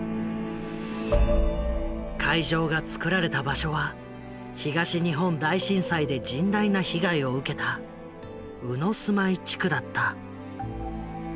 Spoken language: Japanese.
会場がつくられた場所は東日本大震災で甚大な被害を受けた鵜住居地区だった。